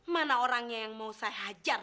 mana orangnya yang mau saya hajar